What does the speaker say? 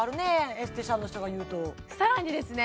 エステティシャンの人が言うとさらにですね